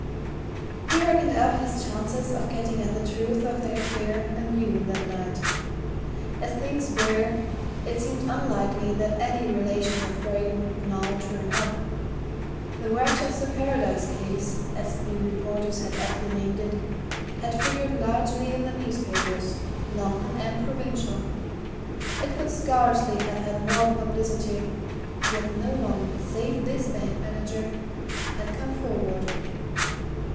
He reckoned up his chances of getting at the truth of the affair anew that night. As things were, it seemed unlikely that any relations of Braden would now turn up. The Wrychester Paradise case, as the reporters had aptly named it, had figured largely in the newspapers, London and provincial; it could scarcely have had more publicity yet no one, save this bank manager, had come forward.